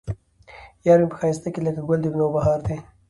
يار مې په ښايست کې لکه ګل د نوبهار دى